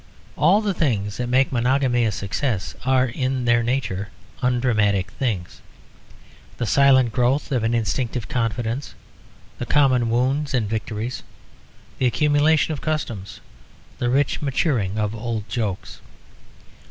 All the things that make monogamy a success are in their nature undramatic things, the silent growth of an instinctive confidence, the common wounds and victories, the accumulation of customs, the rich maturing of old jokes.